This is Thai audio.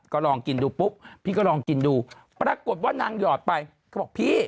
ก็ลองกินดูปุ๊บพี่ก็ลองกินดูปรากฏว่านางหอดไปเขาบอกพี่